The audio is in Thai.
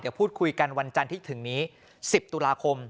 เดี๋ยวพูดคุยกันวันจันทร์ที่ถึงนี้๑๐ตุลาคม